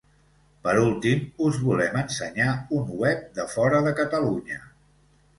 Per últim, us volem ensenyar un web de fora de Catalunya.